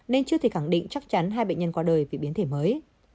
nên chưa thể khẳng định chắc chắn hai bệnh nhân qua đời vì biến thể mới